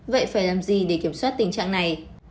vậy phải làm gì để kiểm soát tình trạng này